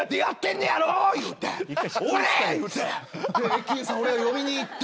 駅員さん俺が呼びに行って。